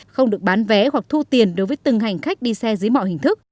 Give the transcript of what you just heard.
không được bán vé hoặc thu tiền đối với từng hành khách đi xe dưới mọi hình thức